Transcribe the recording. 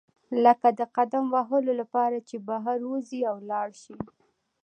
لکه د قدم وهلو لپاره چې بهر وزئ او لاړ شئ.